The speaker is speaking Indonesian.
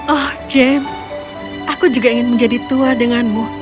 oh james aku juga ingin menjadi tua denganmu